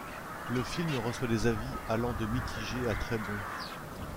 Le film reçoit des avis allant de mitigés à très bons.